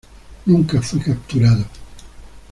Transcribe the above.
Nunca fue capturado.